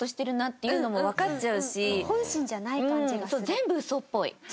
「全部嘘っぽい」。